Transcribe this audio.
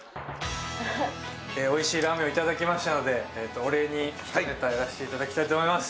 おいしいラーメンをいただきましたのでお礼に１ネタやらせていただきたいと思います。